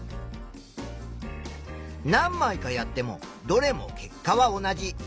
何まいかやってもどれも結果は同じ。